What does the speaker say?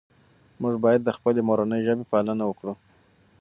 موږ باید د خپلې مورنۍ ژبې پالنه وکړو.